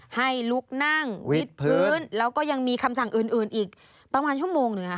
ให้ลุกนั่งวิดพื้นแล้วก็ยังมีคำสั่งอื่นอีกประมาณชั่วโมงหนึ่งค่ะ